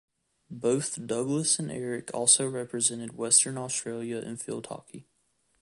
Both Douglas and Eric also represented Western Australia in field hockey.